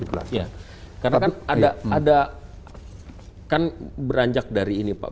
karena kan ada kan beranjak dari ini pak